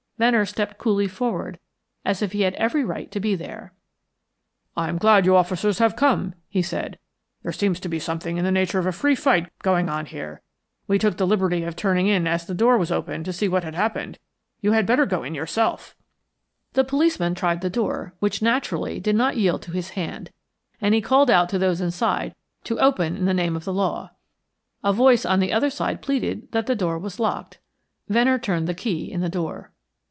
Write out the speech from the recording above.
Venner stepped coolly forward as if he had every right to be there. "I'm glad you officers have come," he said. "There seems to be something in the nature of a free fight going on here. We took the liberty of turning in as the door was open to see what had happened. You had better go in yourself." The policeman tried the door, which, naturally, did not yield to his hand, and he called out to those inside to open in the name of the law. A voice on the other side pleaded that the door was locked. Venner turned the key in the door.